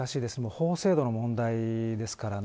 法制度の問題ですからね。